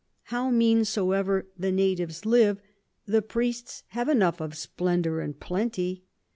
How mean soever the Natives live, the Priests have enough of Splendor and Plenty.